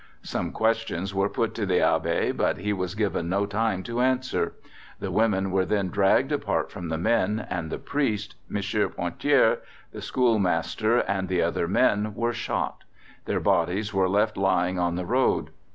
Some questions were put to the Abbe, but he was given no time to answer. The women were then dragged apart from the men, and the priest, M. Pointhiere, the schoolmaster, and the other men were shot; their bodies were left lying on the road.